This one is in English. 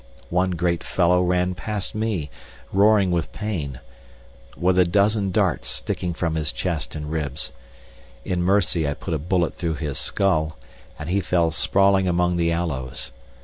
One great fellow ran past me roaring with pain, with a dozen darts sticking from his chest and ribs. In mercy I put a bullet through his skull, and he fell sprawling among the aloes.